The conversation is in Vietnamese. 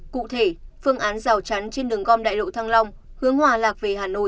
cụ thể phương án rào chắn trên đường gom đại lộ thăng long hướng hòa lạc về hà nội